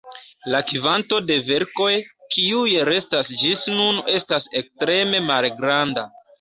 La kvanto de verkoj, kiuj restas ĝis nun estas ekstreme malgranda.